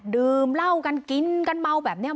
ดื่มเหล้ากันกินกันเมาแบบนี้